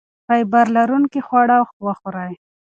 فایبر لرونکي خواړه وخورئ.